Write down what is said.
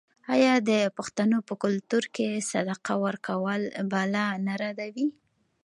آیا د پښتنو په کلتور کې صدقه ورکول بلا نه ردوي؟